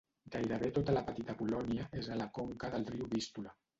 Gairebé tota la Petita Polònia és a la conca del riu Vístula.